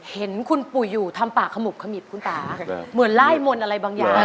เห็นคุณปุ๋ยอยู่ทำปากขมุบขมิบคุณป่าเหมือนไล่มนต์อะไรบางอย่าง